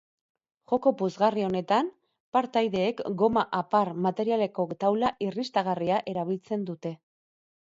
Joko puzgarri honetan partaideek goma-apar materialeko taula irristagarria erabiltzen dute.